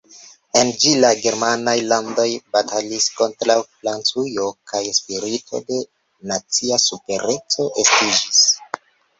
En ĝi, la germanaj landoj batalis kontraŭ Francujo kaj spirito de nacia supereco estiĝis.